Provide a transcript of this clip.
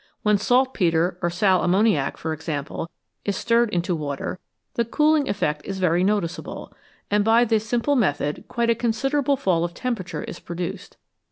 When saltpetre or sal ammoniac, for example, is stirred into water, the cooling effect is very noticeable, and by this simple method quite a considerable fall of temperature is produced.